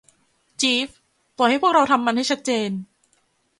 จีฟ ปล่อยให้พวกเราทำมันให้ชัดเจน